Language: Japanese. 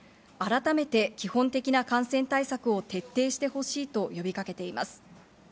改めて基本的な感染対策を徹底してほしいと呼びかけています。